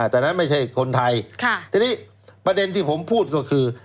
แต่นั้นไม่ใช่คนไทยทีนี้ประเด็นที่ผมพูดก็คือ